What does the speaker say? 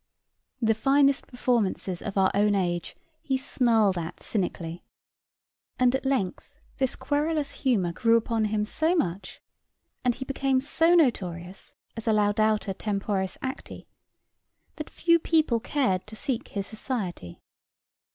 The finest performances of our own age he snarled at cynically; and at length this querulous humor grew upon him so much, and he became so notorious as a laudator tentporis acti, that few people cared to seek his society.